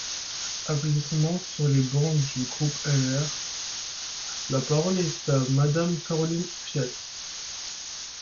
(Applaudissements sur les bancs du groupe LR.) La parole est à Madame Caroline Fiat.